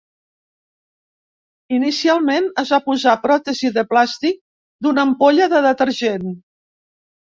Inicialment, es va posar pròtesi de plàstic d'una ampolla de detergent.